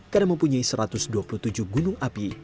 karena mempunyai satu ratus dua puluh tujuh gunung api